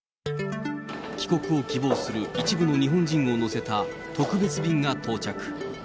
帰国を希望する一部の日本人を乗せた特別便が到着。